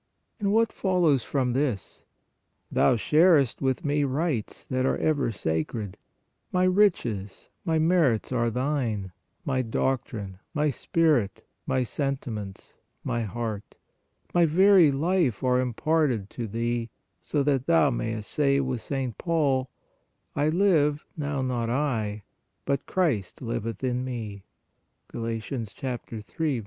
" And what follows from this ? Thou sharest with Me rights that are ever sacred ; My riches, My THE GIFT OF GOD 175 merits are thine; My doctrine, My spirit, My senti ments, My Heart, My very life are imparted to thee, so that thou mayst say with St. Paul : I live, now not I, but Christ liveth in me* (Gal. 3. 20).